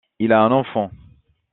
Il a un enfant.